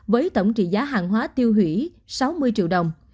với tổng trị giá hàng hóa tiêu hủy sáu mươi triệu đồng